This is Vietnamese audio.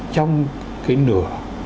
trong cái nửa